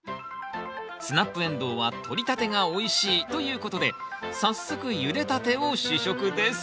スナップエンドウはとりたてがおいしいということで早速ゆでたてを試食です